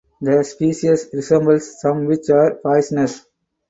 The species resembles some which are poisonous.